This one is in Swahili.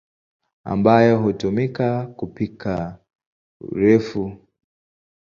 ambayo hutumika kupika urefu.